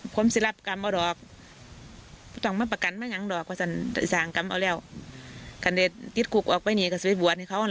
พอทำไปแล้วนี่มันชั่วโภครู้ว่ามันอะไรยังไงบ้าง